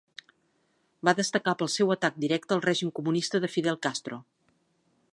Va destacar pel seu atac directe al règim comunista de Fidel Castro.